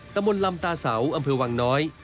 ตำบลลำตาเสาอำเภอวังน้อย